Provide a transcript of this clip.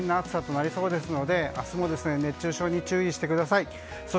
体温超えの危険な暑さとなりそうですので明日も熱中症に注意してください。